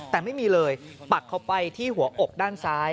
แต่ไม่มีเลยปักเข้าไปที่หัวอกด้านซ้าย